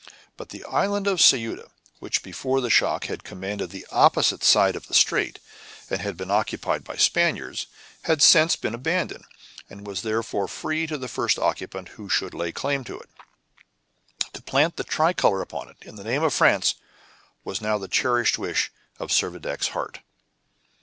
But the island of Ceuta, which before the shock had commanded the opposite side of the strait, and had been occupied by Spaniards, had since been abandoned, and was therefore free to the first occupant who should lay claim to it. To plant the tricolor upon it, in the name of France, was now the cherished wish of Servadac's heart.